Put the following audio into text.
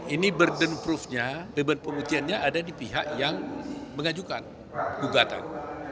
ini burden proof nya beban pengujiannya ada di pihak yang mengajukan gugatan